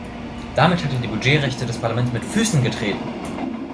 Damit hat er die Budgetrechte des Parlaments mit Füßen getreten.